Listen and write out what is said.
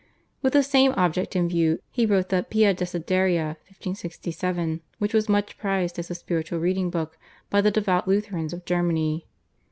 With the same object in view he wrote the /Pia Desideria/ (1567), which was much prized as a spiritual reading book by the devout Lutherans of Germany.